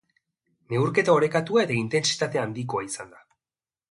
Neurketa orekatua eta intentsitate handikoa izan da.